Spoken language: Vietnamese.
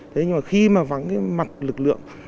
thế nhưng mà khi mà vắng cái mặt lực lượng